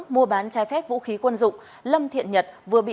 mua bán trái phép vũ khí quân dụng lâm thiện nhật vừa bị